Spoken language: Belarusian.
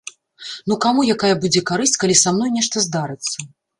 Ну каму якая будзе карысць, калі са мной нешта здарыцца.